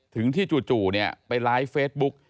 ถึงที่จู่เนี่ยไปไลฟ์เฟซบุ๊ก